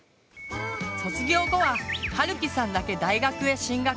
卒業後ははるきさんだけ大学へ進学。